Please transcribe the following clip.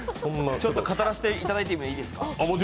ちょっと語らせていただいてもいいですか？